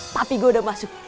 papi gue udah masuk